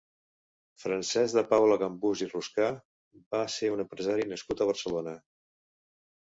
Francesc de Paula Gambús i Rusca va ser un empresari nascut a Barcelona.